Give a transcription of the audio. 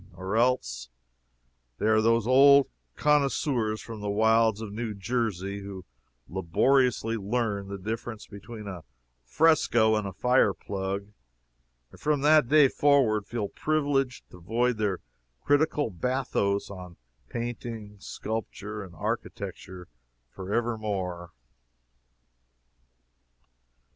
Or else they are those old connoisseurs from the wilds of New Jersey who laboriously learn the difference between a fresco and a fire plug and from that day forward feel privileged to void their critical bathos on painting, sculpture and architecture forever more.